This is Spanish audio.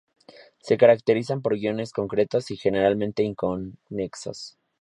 Se caracterizan por guiones concretos y generalmente inconexos.